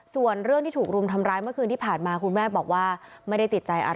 ส่วนเรื่องที่ถูกรุมทำร้ายเมื่อคืนที่ผ่านมาคุณแม่บอกว่าไม่ได้ติดใจอะไร